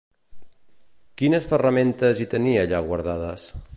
Quines ferramentes hi tenia allà guardades?